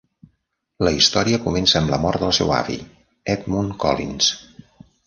La història comença amb la mort del seu avi, Edmund Collins.